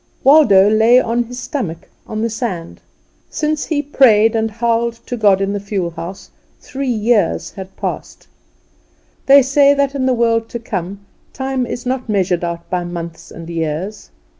Waldo lay on his stomach on the sand. Since he prayed and howled to his God in the fuel house three years had passed. They say that in the world to come time is not measured out by months and years.